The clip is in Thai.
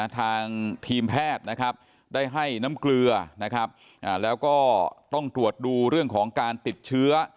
ทางทีมแพทย์นะครับได้ให้น้ำเกลือนะครับแล้วก็ต้องตรวจดูเรื่องของการติดเชื้อ